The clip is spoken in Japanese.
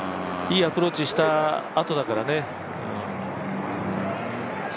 いいアプローチしたあとだったからね。